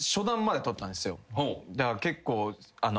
だから結構。